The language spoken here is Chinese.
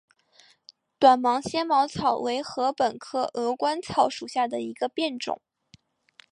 短芒纤毛草为禾本科鹅观草属下的一个变种。